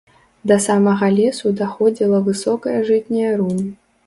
Да самага лесу даходзіла высокая жытняя рунь.